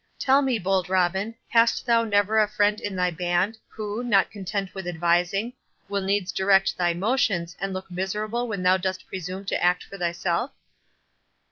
Tell me, bold Robin, hast thou never a friend in thy band, who, not content with advising, will needs direct thy motions, and look miserable when thou dost presume to act for thyself?"